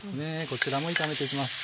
こちらも炒めて行きます。